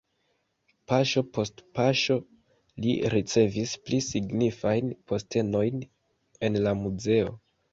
Paŝo post paŝo li ricevis pli signifajn postenojn en la muzeo.